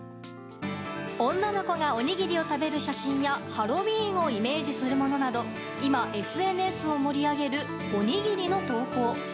女の子がおにぎりを食べる写真やハロウィーンをイメージするものなど今、ＳＮＳを盛り上げるおにぎりの投稿。